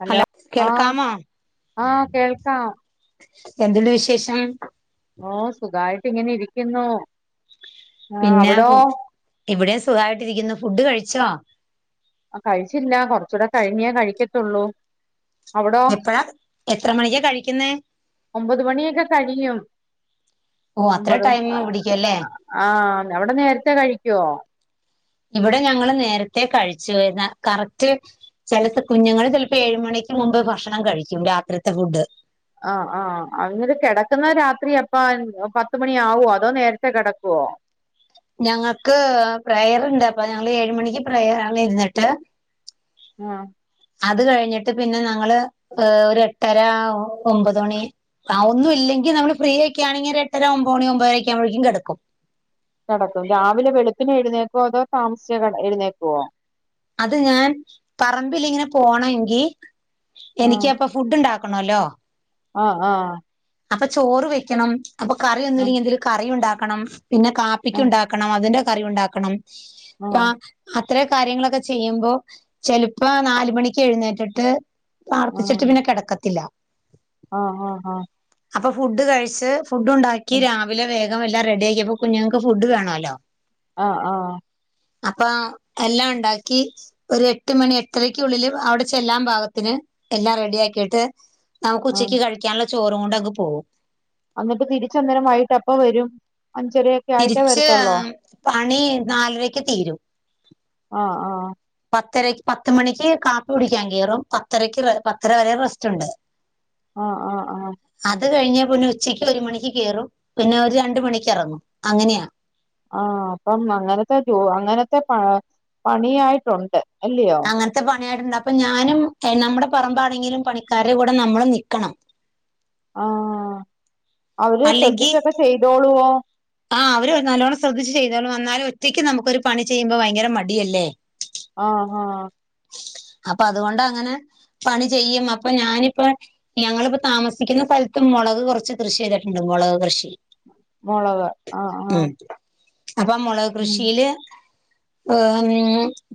Hello ആഹ് ആഹ് കേൾക്കാം. എന്തുണ്ട് വിശേഷം? ഓഹ് സുഖായിട്ട് ഇങ്ങനെ ഇരിക്ക്യുന്നു പിന്നെ ഇവിടേം സുഗായിട്ടിരിക്ക്ന്ന് ഫുഡ് കഴിച്ചോ? അഹ് കഴിച്ചില്ല കൊറച്ചൂടെ കഴിഞ്ഞേ കഴിക്കത്തൊള്ളൂ. എപ്പഴാ എത്ര മണിക്ക കഴിക്കുന്നേ? ഒമ്പത് മണിയൊക്കെ കഴിയും ഓ അത്ര ഒമ്പത് ടൈം അഹ് പിടിക്കും അല്ലേ അഹ്. ആഹ് അവടെ നേരത്തെ കഴിക്കോ? ഇവിടെ ഞങ്ങള് നേരത്തെ കഴിച്ചു എന്ന കറക്റ്റ്. ചെലത്ത് കുഞ്ഞുങ്ങള് ചെൽപ്പോ ഏഴ് മണിക്ക് മുമ്പ് ഭക്ഷണം കഴിക്കും രാത്രിത്തെ ഫുഡ്. ആഹ് ആഹ് അങ്ങനെ കിടക്കുന്ന രാത്രി അപ്പ പത്ത് മണിയാവോ അതോ നേരത്തെ കെടക്കുവോ ഞങ്ങൾക്ക് പ്രയറ്ണ്ട് അപ്പ ഞങ്ങള് ഏഴ് മണിക്ക് പ്രയർ ആണ് ഇരുന്നിട്ട് ആഹ് അത് കഴിഞ്ഞിട്ട് പിന്നെ ഞങ്ങള് ഏഹ് ഒരു എട്ടര ഒമ്പത് മണി ആഹ് ഒന്നും ഇല്ലെങ്കി നമ്മള് ഫ്രീ ഒക്കെ ആണെങ്കിൽ എട്ടര ഒമ്പത് മണി ഒമ്പരക്ക ആവുമ്പേക്കും കെടക്കും കെടക്കും രാവിലെ വെളുപ്പിന് എഴുന്നേക്കോ അതോ താമസിച്ച എഴുന്നേക്കോ അത് ഞാൻ പറമ്പിൽ ഇങ്ങനെ പോണെങ്കി എനിക്ക് അപ്പ ഫുഡ് ഉണ്ടാ ക്കണല്ലോ ആഹ് ആഹ് അപ്പൊ ചോറ് വെക്കണം അപ്പൊ കറി ഒന്നുല്ലെങ്കി ആഹ് എന്തേലും കറി ഉണ്ടാക്കണം പിന്നെ കാപ്പിക്ക് ആഹ് ഉണ്ടാ ക്കണം അതിന്റെ കറി ഉണ്ടാക്കണം. രാ ആഹ് അത്രേ കാര്യങ്ങളൊക്കെ ചെയ്യുമ്പോ ചെല്പ്പോ നാല് മണിക്ക് എഴുന്നേറ്റിട്ട് ആഹ് പ്രാർത്ഥിച്ചിട്ട് പിന്നെ കിടക്കത്തില്ല ആഹ് ആഹ് ആഹ് അപ്പൊ ഫുഡ് കഴിച്ച് ഫുഡ് ഉണ്ടാക്കി രാവിലെ വേഗം എല്ലാം റെഡി ആക്കിയപ്പോ കുഞ്ഞുങ്ങൾക്ക് ഫുഡ് വേണേല്ലോ ആഹ് ആഹ് അപ്പൊ എല്ലാം ഉണ്ടാക്കി ഒരു എട്ട് മണി എട്ടരക്കുള്ളിൽ അവിടെ ചെല്ലാം ഭാഗത്തിന് എല്ലാം റെഡിയാക്കിട്ട് നമുക്ക് ആഹ് ഉച്ചയ്ക്ക് കഴിക്കാനുള്ള ചോറും കൊണ്ടങ്ങ് പോവും എന്നിട്ട് തിരിച്ചന്നേരം വൈകീട്ട് എപ്പ വരും അഞ്ചര തിരിച്ച് പണി നാലരക്ക് തീരും ആഹ് ആഹ് പത്തര പത്ത് മണിക്ക് കാപ്പി കുടിക്കാൻ കയറും പത്തരയ്ക്ക് പത്തര വരെ റെസ്റ്റ് ഉണ്ട് ആഹ് ആഹ് ആഹ് അത് കഴിഞ്ഞ പിന്നെ ഉച്ചക്ക് ഒരു മണിക്ക് കയറും പിന്നെ ഒരു രണ്ട് മണിക്ക് ഇറങ്ങും അങ്ങനെയാ ആഹ് അപ്പം അങ്ങനത്തെ ജോ അങ്ങനത്തെ പ പണിയായിട്ടുണ്ട് അല്ലയോ അങ്ങനത്തെ പണിയായിട്ടുണ്ട് അപ്പൊ ഞാനും നമ്മടെ പറമ്പാണെങ്കിലും പണിക്കാരുടെ കൂടെ നമ്മൾ നിക്കണം ആഹ് അവര് ശ്രദ്ധിച്ചൊക്കെ ചെയ്തോളുവോ ആഹ് അവര് നല്ലവണം ശ്രദ്ധിച്ചു ചെയ്തോളു എന്നാലും ഒറ്റയ്ക്ക് നമുക്കൊരു പണി ചെയ്യുമ്പോ ഭയങ്കര മടിയല്ലേ ആഹ് ആഹ് അപ്പൊ അതുകൊണ്ട് അങ്ങനെ പണി ചെയ്യും അപ്പൊ ഞാനിപ്പ ഞങ്ങളിപ്പോ താമസിക്കുന്ന സ്ഥലത്തും മുളക് കുറച്ച് കൃഷി ചെയ്തിട്ടുണ്ട് മുളക് കൃഷി മുളക് ആഹ് ഉം ആഹ് അപ്പൊ മുളക് ഉം കൃഷിയില്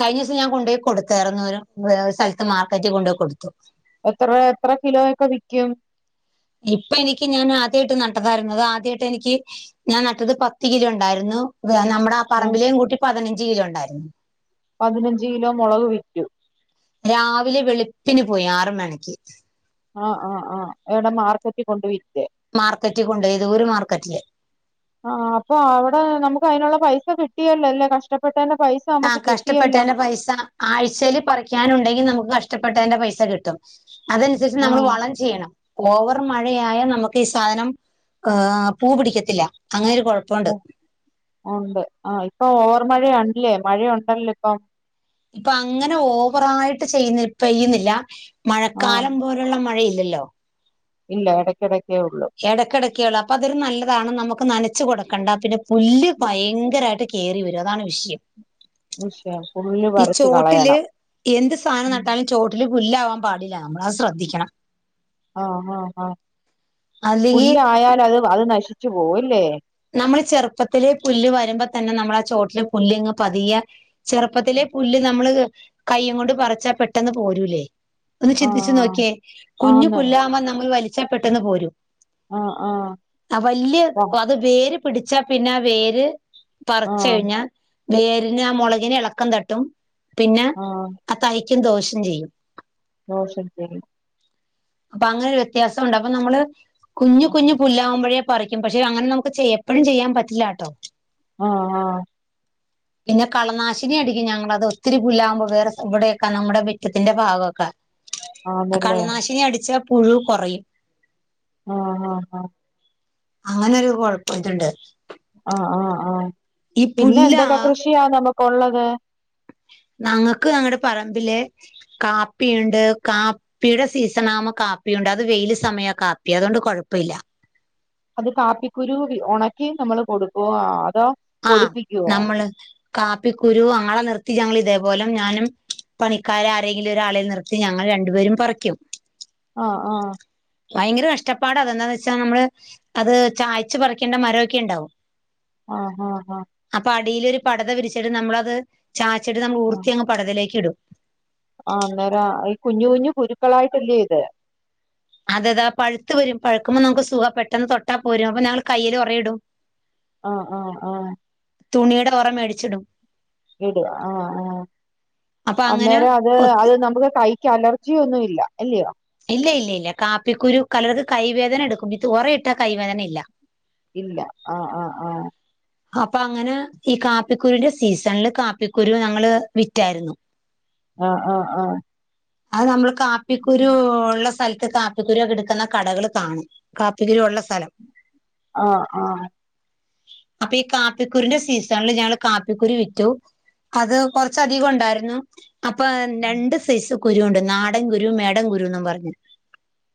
കഴിഞ്ഞ ദിവസം ഞാൻ കൊണ്ടുപോയി കൊടു കയറന്നൂരുംഒരു സ്ഥലത്ത് മാർക്കറ്റിൽ കൊണ്ടുപോയി കൊടുത്തു എത്ര എത്ര കിലോയക്കെ വിക്കും ഇപ്പ എനിക്ക് ഞാൻ ആദ്യമായിട്ട് നട്ടതരുന്നത് ആദ്യമായിട്ട് എനിക്ക് ഞാൻ നട്ടത് പത്ത് കിലോ ഉണ്ടായിരുന്നു നമ്മുടെ ആ ഉം പറമ്പിലേ കൂട്ടി പതിനഞ്ച് കിലോ ഉണ്ടായിരുന്നു പതിനഞ്ച് കിലോ മുളക് വിറ്റു രാവിലെ വെളുപ്പിന് പോയി ആറ് മണിക്ക് ആഹ് ആഹ് ആഹ് എവിടെ മാർക്കറ്റിൽ കൊണ്ട് വിറ്റ് മാർക്കറ്റ് കൊണ്ട് ഒരു മാർക്കറ്റില് ആഹ് അപ്പൊ അവിടെ നമുക്ക് അതിനുള്ള പൈസ കിട്ടിയല്ലോ അല്ലേ കഷ്ടപ്പെട്ടേന്റെ പൈസ ആഹ് നമുക്ക് കിട്ടിയല്ലോ കഷ്ടപ്പെട്ടന്റെ പൈസ ആഴ്ചൽ പറിക്കാനുണ്ടെങ്കിൽ നമുക്ക് കഷ്ടപ്പെട്ടേന്റെ പൈസ കിട്ടും അതനുസരിച്ച് നമ്മൾ ആഹ് വളം ചെയ്യണം ഓവർ മഴയായൽ നമുക്ക് ഈ സാധനം പൂ പിടിക്കത്തില്ല അങ്ങനെ ഒരു കുഴപ്പ ഉണ്ട് ആഹ് ഇപ്പൊ ഓവർ മഴല്ലേ മഴയുണ്ടല്ലോ ഇപ്പം ഇപ്പൊ അങ്ങനെ ഓവറായിട്ട് ചെയ്യുന്ന പെയ്യുന്നില്ല ആ മഴക്കാലം പോലെ ള്ള മഴയില്ലല്ലോ ഇല്ല എടയ്ക്കെടക്കേ ഉള്ളു എടയ്ക്കെടയ്ക്കേള്ളൂ അപ്പതൊരു നല്ലതാണ് നമുക്ക് നനച്ചു കൊടുക്കണ്ട പിന്നെ പുല്ല് ഭയങ്കരായിട്ട് കേറി വരും അതാണ് വിഷയം [unintelligible] ഈ പറിച്ച് ചോട്ടില് കളയണം എന്ത് സാധനം ഉം. നട്ടാലും ചോട്ടില് പുല്ലാവാൻ പാടില്ല നമ്മൾ അഹ് ശ്രദ്ധിക്കണം ആ ഹാ ഹാ അല്ലെങ്കി പുല്ലായാലത് അത് നശിച്ചു പോവും ല്ലേ നമ്മൾ ചെറുപ്പത്തില് പുല്ല് വരുമ്പോ തന്നെ നമ്മളാ ചോട്ടില് പുല്ല്ങ്ങ പതിയെ ചെറുപ്പത്തിലെ പുല്ല് നമ്മള് കയ്യ് കൊണ്ട് പറിച്ചാ പെട്ടെന്ന് പോരൂലെ ഒന്ന് ആ ആ, ചിന്തിച്ചു നോക്ക്യേ. കുഞ്ഞു ആന്ന് പുല്ലാവുമ്പ നമ്മൾ വലിച്ചാൽ പെട്ടെന്ന് പോരും ആ ആ ആ വല്ല്യ ആ അത് വേര് പിടിച്ചാ പിന്ന വേര് ആ പറ്ചയ്ഞ്ഞാ വേരിനാ മൊളകിന് എളക്കം തട്ടും പിന്നെ ആ തയ്ക്കും ദോഷം ചെയ്യും ദോശ ഉപ്പേരി അപ്പങ്ങനൊരു വ്യത്യാസ ഉണ്ട് അപ്പ നമ്മള് കുഞ്ഞു കുഞ്ഞു പുല്ലാവുമ്പോഴേ പറിക്കും പക്ഷെ അങ്ങനെ നമുക്ക് ചെയ്യ എപ്പഴും ചെയ്യാൻ പറ്റില്ലാട്ടോ ആഹ് ആഹ് [unintelligible] പിന്നെ കളനാശിനി അടിക്കും ഞങ്ങളത് ഒത്തിരി പുല്ലാവുമ്പോ വേറെ വടെയൊക്കെ നമ്മുടെ മിറ്റത്തിന്റെ ഭാഗമൊക്കെ ആന്നല്ലേ കളനാശിനി അടിച്ച പുഴു കൊറയും ആഹ് ആഹ് ആ അങ്ങനൊരു കൊഴപ്പം ത്ണ്ട് ആഹ് ആഹ് ആ പിന്നെ പുല്ല ന്തൊക്കെ കൃഷിയാ നമുക്കുള്ളത് നങ്ങക്ക് ഞങ്ങുടെ പറമ്പില് കാപ്പിയുണ്ട് കാ പ്പിയുടെ സീസണാവുമ്പോ കാപ്പിയുണ്ട് അത് വെയിൽ സമയ കാപ്പി അതോണ്ട് കൊയപ്പമില്ല അത് കാപ്പിക്കുരു ഒണക്കി നമ്മള് കൊടുക്കോ അതോ ആഹ് പൊടിപ്പിക്കുവോ നമ്മള് കാപ്പി കുരു അങ്ങളെ നിർത്തി ഞങ്ങളിതേപോലെ ഞാനും പണിക്കാരാരെങ്കിലും ഒരാളെ നിർത്തി ഞങ്ങൾ രണ്ടുപേരും പറിക്കും ആഹ് ആഹ് ഭയങ്കര കഷ്ടപ്പാട അതെന്താന്ന് വെച്ചാ നമ്മള് അത് ചായ്ച്ച് പറിക്കേണ്ട മര ഒക്കെ ഉണ്ടാവും ആഹ് ആഹ് അപ്പ അടീലൊരു പടത വിരിച്ചിട്ട് നമ്മളത് ചാച്ചിട്ട് നമ്മൾ ആ ഊർത്തി അങ്ങ് പടതയിലേക്ക്ടും ആ അന്നേര ഈ കുഞ്ഞു കുഞ്ഞു കുരുക്കളായിട്ടല്ലേ ഇത് അതെതാ പഴുത്തു വരും പഴുക്കുമ്പ നമുക്ക് സുഖ പെട്ടന്ന് തൊട്ട പോരും അപ്പ ഞങ്ങള് കൈയിലൊറയിടും ആഹ് ആഹ് ആ തുണിയുടെ ഒറ മേടിച്ച്ടും ഇടും ആഹ് ആഹ് അപ്പൊ അങ്ങനെ അന്നേരം അത് ഒത്തി അഹ് നമുക്ക് കൈ ക്കലർജിയൊന്നുമില്ല ഇല്ല്യൊ ഇല്ല ഇല്ല ഇല്ല കാപ്പിക്കുരു കലർക്ക് കൈവേദന എടുക്കും ഇതൊറ ഇട്ടാ കൈവേദന ഇല്ല ഇല്ല ആഹ് ആഹ് അപ്പങ്ങനെ ഈ കാപ്പിക്കുരുന്റെ സീസണില് കാപ്പിക്കുരു ഞങ്ങള് വിറ്റായിരുന്നു ആഹ് ആഹ് ആ അത് നമ്മള് കാപ്പിക്കുരു ഉള്ള സ്ഥൽത്ത് കാ പ്പിക്കുരൊക്കെ ഇട്ക്കുന്ന കടകൾ കാണും. കാപ്പിക്കുരു ഉള്ള സ്ഥലം ആഹ് ആഹ് അപ്പ ഈ കാപ്പിക്കുരൂന്റെ സീസണ്ല് ഞങ്ങള് കാപ്പിക്കുരു വിറ്റു അത് കൊറച്ചധികം ണ്ടായിരുന്നു അപ്പ രണ്ട് സൈസ് കുരു ഉണ്ട് നാടൻ കുരു മേഡൻ കുരു ന്നും പറഞ്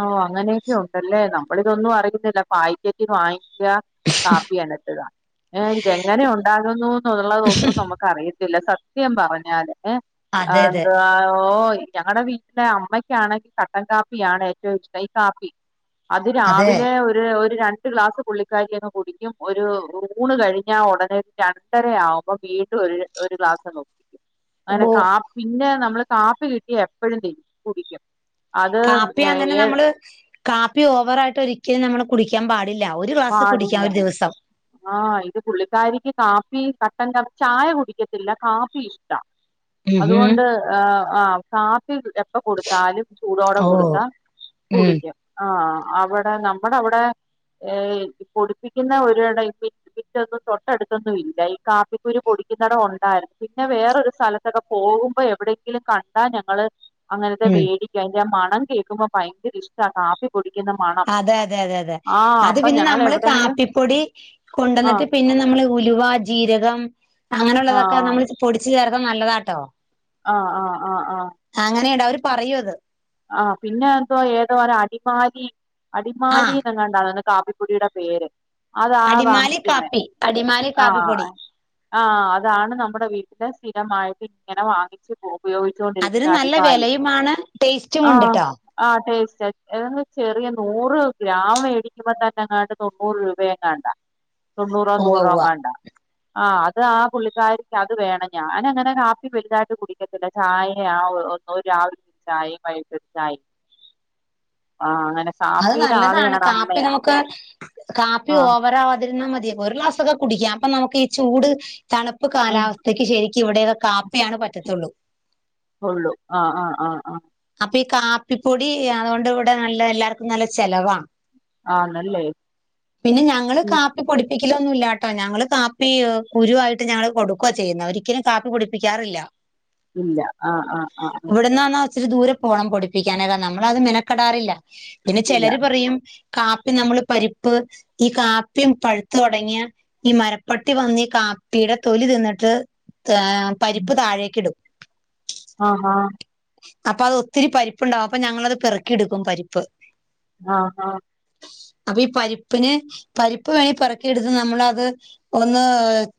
ഓ അങ്ങനെയൊക്കെ ഉണ്ടല്ലേ നമ്മളിതൊന്നും അറിയുന്നില്ല പായ്കറ്റ് വാ ക്ക കാപ്പി [unintelligible] ഏ ഇതെങ്ങനെ ഉണ്ടാകുന്നു ന്നുള്ളതൊന്നും നമ്മക്കറിയി ഇല്ല സത്യം പറഞ്ഞാല് ഹ് അതെ അതെ എന്ത ഓ ഞങ്ങളടെ വീട്ടിലെ അമ്മയ്ക്കാണെങ്കി കട്ടൻ കാപ്പിയാണ് ഏറ്റവും ഇഷ്‌ടം ഈ കാപ്പി അത് അതെ രാവിലെ ഒരു ഒരു രണ്ട് ഗ്ലാസ് പുള്ളിക്കാരി അങ്ങ് കുടിക്കും ഒരു ഊണ് കഴിഞ്ഞാ ഒടനെ രണ്ടര ആവുമ്പോ വീണ്ടും ഒരു ഒരു ഗ്ലാസങ്ങ് [inaudible] അങ്ങനെ കാപ്പി പിന്നെ നമ്മള് കാപ്പി കിട്ടിയാ എപ്പഴും കുടിക്കും അത് പ്പി അങ്ങനെ ഏ നമ്മള് കാപ്പി ഓവറായിയിട്ട് ഒരിക്കലും നമ്മള് കുടിക്കാം പാടില്ല ഒരു ഗ്ലാസ് കുടിക്കാം ഒരു ദിവസം ആഹ് ഇത് പുള്ളിക്കാരിക്ക് കാപ്പി കട്ടൻ ക്കാ ചായ കുടിക്കത്തില്ല കാപ്പി ഇഷ് ട്ടാ ഉം ഹും അതുകൊണ്ട് ആഹ് ആ കാപ്പി എപ്പ കൊട്ത്താലും ചൂടോടെ ഓ കൊടുത്താ ഉം ആഹ് അവടെ നമ്മടെ അവടെ ഏഹ് പ്പൊടിപ്പിക്കുന്ന ഒരു ടൈപ്പ് പിന്നൊന്നും തൊട്ടട്ത്തൊന്നും ഇല്ല ഈ കാപ്പിക്കുരു പൊടിക്കുന്നടം ഒണ്ടാരുന്നു പിന്നെ വേറൊരു സ്ഥല തൊക്കെ പോവുമ്പോ എവിടെങ്കിലും കണ്ടാ ഞങ്ങള് അങ്ങനത്തെ ഉം വേടിക്കാ അതിന്റെ ആ മണം കേക്കുമ്പോ ഭയങ്കര ഇഷ് ട്ടാ കാപ്പി പൊടിക്കുന്ന മണം ആഹ് ഇത് പിന്നെ നമ്മള് കാപ്പിപ്പൊടി ആ കൊണ്ടന്ന്ട്ട് പിന്നെ നമ്മള് ഉലുവ ജീരകം ആ അങ്ങനെള്ളതൊക്കെ നമ്മള് പൊടിച്ച് ചേർക്ക നല്ലതാട്ടോ ആഹ് ആഹ് ആഹ് ആഹ് അങ്ങനെടാ അവര് പറയും അത് ആഹ് പിന്നെ എന്തോ ഏതോ ഒരു അടിമാലി അടിമാലി ആഹ് ന്നങ്ങാണ്ടാന്ന് കാപ്പിപൊടിടെ പേര് അതാ അടിമാലി വാങ്ങിക്ക്ന്നെ കാപ്പി അടിമാലി കാപ്പിപ്പൊടി ആഹ് ആഹ് അതാണ് നമ്മടെ വീട്ടില് സ്ഥിരമായിട്ട് ഇങ്ങനെ വാങ്ങിച്ച് ഉപയോഗിച്ചോണ്ടിരിക്കുന്ന അടിമാലി മണം ടേസ്റ്റ് ആഹ് ആഹ് ടേസ്റ്റ്റ്റ് ഏതാണ്ട് ചെറിയ നൂറ് ഗ്രാം മേടിക്കുമ്പോ തന്നെ എങ്ങാണ്ട്‌ തൊണ്ണൂറ് രൂപയെങ്ങാണ്ടാ തൊണ്ണൂറോ ഉവ്വ ഉവ്വ നൂറോങ്ങാണ്ടാ ആഹ് അത് ആ പുള്ളിക്കാരിക്ക് അത് വേണം ഞാനങ്ങനെ കാപ്പി വലുതായിട്ട് കുടിക്കത്തില്ല ചായെ ആ ഒ രു രാവിൽത്തെ ചായയും വൈകിട്ടത്തെ ചായിം ആഹ് അങ്ങനെ അത് കാപ്പിയുടെ ആള് നല്ലതാണ് ഞങ്ങടെ കാപ്പി അമ്മയാ നമുക്ക് കാപ്പി ആഹ് ഓവറാ വാതിരുന്നാ മതി ഒരു ക്ലാസ് ക്കൊ കുടിക്കാം അപ്പം നമുക്ക് ഈ ചൂട് തണ്പ്പ് ആഹ് കാലാവ സ്ഥക്ക് ശരിക്ക് ഇവിടേ കാപ്പിയാണ് പറ്റത്തൊള്ളൂ ഒള്ളു ആഹ് ആഹ് ആഹ് ആഹ് അപ്പൊ ഈ കാപ്പിപ്പൊടി അതുകൊണ്ട് ഇവിടെ നല്ല എല്ലാർക്കും നല്ല ചെലവാ ആന്നല്ലേ പിന്നെ ഞങ്ങള് ഉം കാപ്പി പൊടി പൊടിക്കലൊന്നും ഇല്ലാട്ടോ ഞങ്ങള് കാപ്പി കുരുവായിട്ട് ഞങ്ങള് കൊടുക്കുവാ ചെയ്യുന്നെ ഒരിക്കലും കാപ്പി പൊടിപ്പിക്കാറില്ല ഇല്ല ആഹ് ആഹ് ആഹ് ആഹ് ഇവിടുന്നാണോ ഇച്ചിരി ദൂരെ പോണം പൊടിപ്പിക്കാന് അത് ക്കാരണം നമ്മള് അത് മെനക്കെടാറില്ല പിന്നെ ഇല്ല ചെലര് പറിയും കാപ്പി നമ്മള് പരിപ്പ് ഈ കാപ്പിം പഴ്ത്ത്‌ തൊടങ്ങിയാ ഈ മരപ്പട്ടി വന്നീ കാപ്പീടെ തൊലി തിന്നിട്ട് ഏഹ് പരിപ്പ് താഴേക്ക് ഇടും ആഹാ അപ്പൊ അത് ഒത്തിരി പരിപ്പ്ണ്ടാവും അപ്പ ഞങ്ങളത് പെറുക്കി ഇട്ക്കും പരിപ്പ് ആ ഹാ അപ്പൊ ഈ പരിപ്പിന് പരിപ്പ് വേണേ പെറിക്കിയെടുത്ത് നമ്മള് അത് ഒന്ന്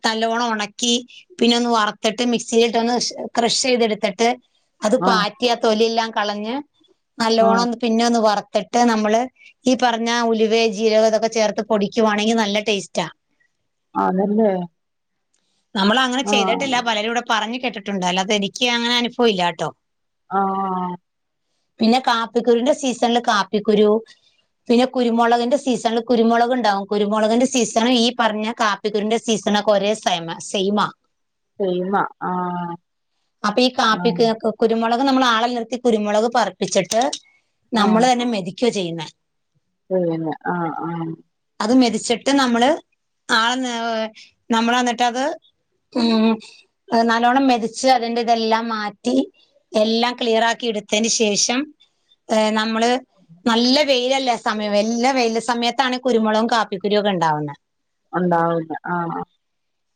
ന്നല്ലോണം ഒണക്കി പിന്നെ ഒന്ന് വറത്ത്ട്ട് മിക്സിലിട്ട് ഒന്ന് ക്രഷ് ചെയ്തെടുത്തിട്ട് അത് ആഹ് പാറ്റി ആ തൊലിയെല്ലാം കളഞ്ഞ് നല്ലോണം ആഹ് ഒന്ന് പിന്നെ ഒന്ന് വർത്ത്ട്ട് നമ്മള് ഈ പറഞ്ഞ ഉലുവേ ജീരകം ഇതൊക്കെ ചേർത്ത് പൊടിക്കുവാണെങ്കി നല്ല ടേസ്റ്റാ ആതല്ലേ നമ്മള് അങ്ങനെ ചെയ്തിട്ടില്ല പലരും ഇവിടെ പറഞ്ഞ് കേട്ടിട്ടുണ്ട് അല്ലാതെ എനിക്ക് അങ്ങനെ അനുഭവം ഇല്ലാട്ടോ. ആഹ് പിന്നെ കാപ്പിക്കുരുന്റെ സീസണില് കാപ്പിക്കുരു. പിന്നെ കുരുമുളകിന്റെ സീസണില് കുരുമുളക്ണ്ടാവും കുരുമുളകിന്റെ സീസണ് ഈ പറഞ്ഞ കാ. പ്പിക്കുരുവിന്റെ സീസണൊക്കെ ഒരേ സയ്മ സൈമാ. സൈമാ ആഹ് അപ്പൊ ഈ കാപ്പി ആഹ്. കുരുമുളക് നമ്മള് ആളെ നിർത്തി കുരുമുളക് പറ്പ്പിച്ചിട്ട് നമ്മള് തന്നെ മെതിക്ക ചെയ്യുന്നേ. ചെയ്യുന്നേ ആഹ് ആഹ്. അത് മെതിച്ചിട്ട് നമ്മള് ആളെ ഏഹ് നമ്മള് എന്നിട്ടത് ഉം അത് നല്ലോണ്ണം മെതിച്ച് അതിന്റെ ഇതെല്ലാം മാറ്റി എല്ലാം ക്ലിയറാക്കി ഇട്ത്തേന് ശേഷം ഏഹ് നമ്മള് നല്ല വെയിലല്ലെ സമയം വല്ല വെയില് സമയത്താണ് കുരുമുളകും കാപ്പിക്കുരൊക്കെ ഇണ്ടാവുന്നെ ഒണ്ടാവുന്നേ ആഹ്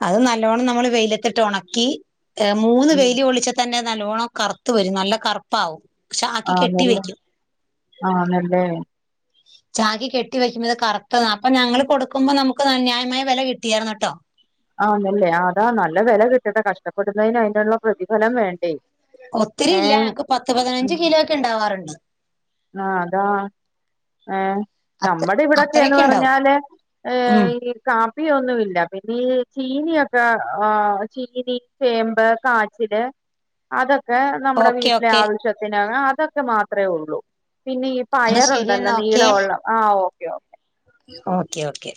അത് നല്ലോണം നമ്മള് വെയിലത്തിട്ട് ഒണക്കി ഏഹ് മൂന്ന് ഉം വെയില് കൊളിച്ചാ തന്നെ അത് നല്ലോണം കറുത്ത് വരും നല്ല കറുപ്പാവും. ചാക്കി കെട്ടി ആണല്ലേ വെക്കും ആണല്ലേ. ചാക്കി കെട്ടി വെക്കുന്നത് കറ്ത്തതാ അപ്പൊ ഞങ്ങള് കൊട്ക്കുമ്പോ നമുക്ക് ന ന്യായമായ വെല കിട്ടിയായിരുന്നുട്ടോ ആന്നല്ലേ അതാ നല്ല വെല കിട്ടട്ടെ കഷ്ടപ്പെടുന്നതിന് അതിനുള്ള പ്രതിഫലം വേണ്ടേ. ഒത്തിരി ഇല്ല ഏഹ് ഞങ്ങക്ക് പത്ത് ഉം പതിനഞ്ച് കിലോ ഒക്കെ ഇണ്ടാവാറുണ്ട്. ആഹ് അതാ. ഏഹ് അത്ര നമ്മുടെ ഇവിടെക്കേന്ന് അത്രയൊക്കെ ഉണ്ടാവും പറഞ്ഞാല് ഏഹ് ഉം ഈ കാപ്പിയൊന്നുല്ല പിന്നെ ഈ ചീനിയൊക്കെ ആഹ് ചീനി ചേമ്പ് കാച്ചില്. അതൊക്കെ നമ്മടെ ഓക്കെ വീട്ടിലെ ഓക്കെ ആവശ്യത്തിന് അ അതൊക്കെ മാത്രേ ഒള്ളൂ പിന്നെ ഈ എന്നാ ശരി പയറുണ്ടല്ലോ എന്നാ ഓക്കെ നീളം ഒള്ള ആഹ് ഓക്കെ ഓ ഓക്കെ ഓക്കെ.